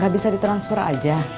gak bisa di transfer aja